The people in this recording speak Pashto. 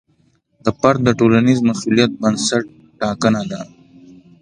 د فرد د ټولنیز مسوولیت بنسټ ټاکنه ده.